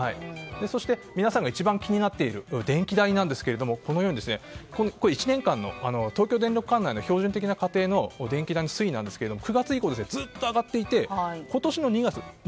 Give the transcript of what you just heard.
そして、皆さんが一番気になっている電気代なんですが１年間の東京電力管内の標準的家庭の電気代の推移ですが９月以降、ずっと上がっていて今年の２月。